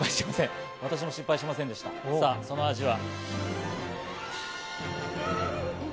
その味は。